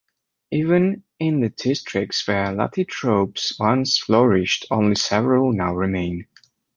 Even in the districts where lathi troupes once flourished, only several now remain.